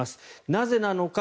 なぜなのか。